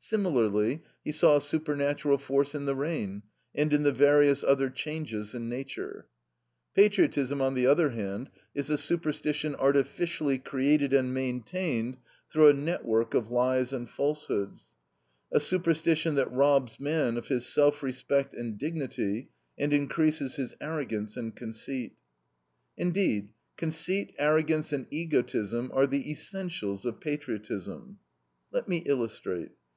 Similarly he saw a supernatural force in the rain, and in the various other changes in nature. Patriotism, on the other hand, is a superstition artificially created and maintained through a network of lies and falsehoods; a superstition that robs man of his self respect and dignity, and increases his arrogance and conceit. Indeed, conceit, arrogance, and egotism are the essentials of patriotism. Let me illustrate.